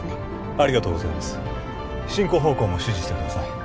ありがとうございます進行方向も指示してください